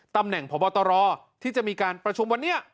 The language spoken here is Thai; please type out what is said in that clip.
ตำแหน่งพบตรที่จะมีการประชุมวันนี้